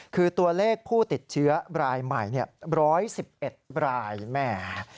คือตัวเลขผู้ติดเชื้อรายใหม่๑๑๑รายแหม